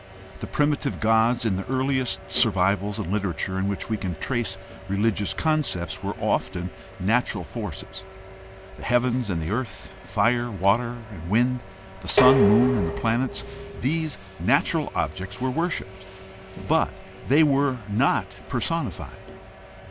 The primitive gods in the earliest survivals and literature in which we can trace religious con cepts were often natural forces. The heavens and earth, fire, water, and wind, the sun, moon, and planets — these natural objects were worshiped, but they were not personified.